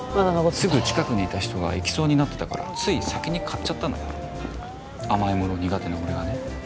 すぐ近くにいた人が行きそうになってたからつい先に買っちゃったのよ甘いもの苦手な俺がね